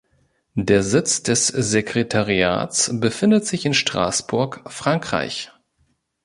Der Sitz des Sekretariats befindet sich in Straßburg, Frankreich.